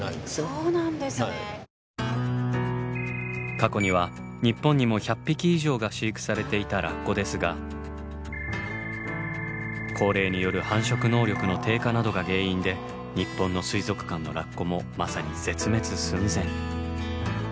過去には日本にも１００匹以上が飼育されていたラッコですが高齢による繁殖能力の低下などが原因で日本の水族館のラッコもまさに絶滅寸前。